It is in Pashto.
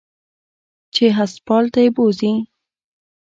چې هسپتال ته يې بوځي.